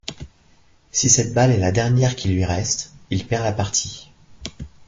Si cette balle est la dernière qui lui reste, il perd la partie.